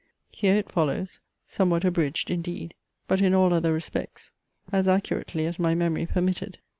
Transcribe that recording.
Here it follows, somewhat abridged, indeed, but in all other respects as accurately as my memory permitted.